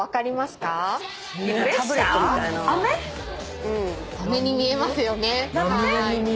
あめに見えますよね。